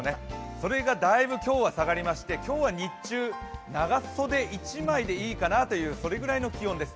それがだいぶ今日は下がりまして今日は日中、長袖１枚でいいかなという気温です。